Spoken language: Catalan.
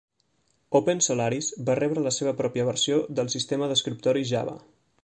OpenSolaris va rebre la seva pròpia versió del sistema d'escriptori Java.